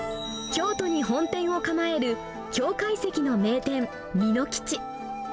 京都に本店を構える京懐石の名店、ミノキチ。